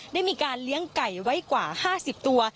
ได้มีการเลี้ยงไก่ไว้กว่า๕๐ตัว